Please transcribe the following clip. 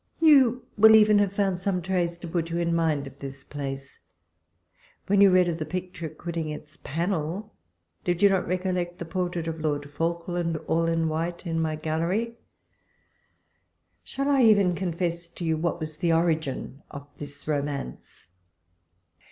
You will even have found some traits to put you in mind of this place. When you read of the picture quit ting its panel, did not you recollect the portrait of Lord Falkland, all in white, in ray Gallery? Shall I even confess to you, what was the origin of this romance